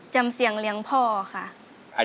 จำเสียงเลี้ยงพ่อค่ะ